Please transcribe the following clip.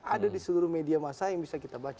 ada di seluruh media masa yang bisa kita baca